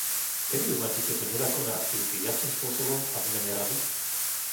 Kedy uznáte tieto nezákonné aktivity jasným spôsobom a v mene Rady?